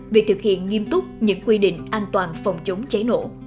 việc thực hiện nghiêm túc những quy định an toàn phòng chống cháy nổ